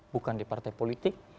bukan di partai politik